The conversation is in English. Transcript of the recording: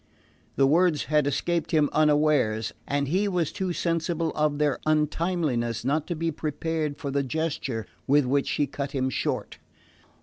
The words had escaped him unawares, and he was too sensible of their untimeliness not to be prepared for the gesture with which she cut him short.